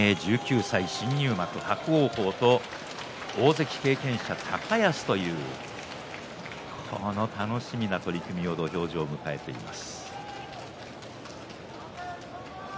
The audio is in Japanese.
新入幕伯桜鵬と大関経験者、高安という楽しみな取組を土俵上、迎えています。